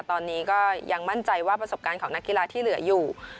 ตอนนี้ก็ยังมั่นใจว่าประสบการณ์ของนักกีฬาที่เหลืออยู่